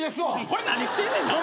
これ何してんねんな。